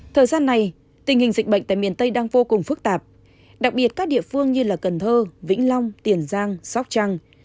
thời gian này tình hình dịch bệnh tại miền tây đang vô cùng phức tạp đặc biệt các địa phương như cần thơ vĩnh long tiền giang sóc trăng